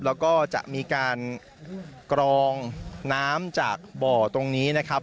แล้วก็จะมีการกรองน้ำจากบ่อตรงนี้นะครับ